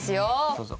どうぞ。